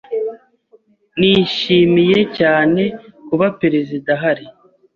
Nishimiye cyane kuba perezida ahari.